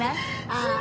ああ。